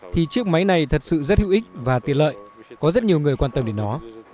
thì chiếc máy này thật sự rất hữu ích và tiện lợi có rất nhiều người quan tâm đến nó